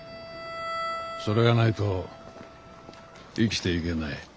それがないと生きていけない。